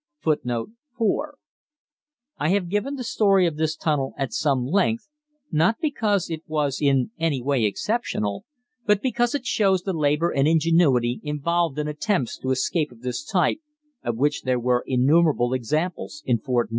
FOOTNOTES: [Footnote 4: I have given the story of this tunnel at some length, not because it was in any way exceptional, but rather because it shows the labor and ingenuity involved in attempts to escape of this type, of which there were innumerable examples in Fort 9.